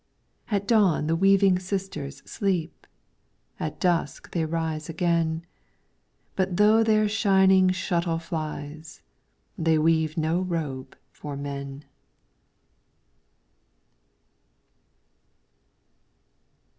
At dawn the Weaving Sisters sleep, At dusk they rise again ; But though their Shining Shuttle flies, They weave no robe for men.